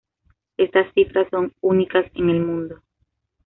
Estas cifras son únicas en el mundo.